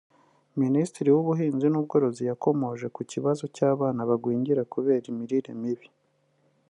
Minisitiri w’Ubuhinzi n’Ubworozi yakomoje ku kibazo cy’abana bagwingira kubera imirire mibi